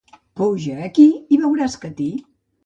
Puja aquí i veuràs Catí.